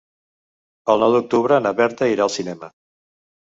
El nou d'octubre na Berta irà al cinema.